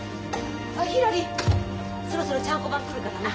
あっひらりそろそろちゃんこ番来るからね。